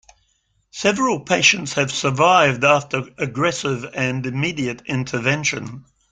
Several patients have survived after aggressive and immediate intervention.